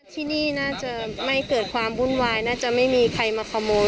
ที่นี่น่าจะไม่เกิดความวุ่นวายน่าจะไม่มีใครมาขโมย